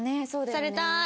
されたい！